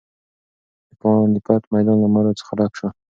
د پاني پت میدان له مړو څخه ډک شو.